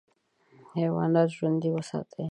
حیوانات ژوندي وساتې.